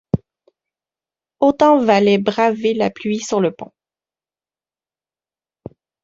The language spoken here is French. Autant valait braver la pluie sur le pont.